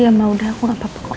ya mau udah aku nggak apa apa kok